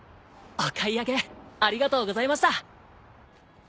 お買い上げありがとうございました。